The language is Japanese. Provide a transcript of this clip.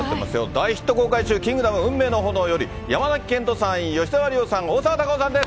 大ヒット公開中、キングダム運命の炎より、山崎賢人さん、吉沢亮さん、大沢たかおさんです。